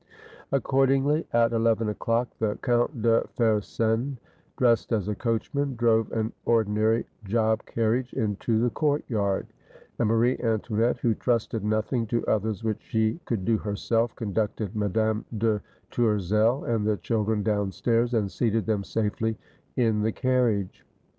Accordingly at eleven o'clock the Count de Fersen, dressed as a coachman, drove an ordinary job carriage into the courtyard; and Marie Antoinette, who trusted nothing to others which she could do herself, conducted Madame de Tourzel and the children downstairs, and seated them safely in the carriage.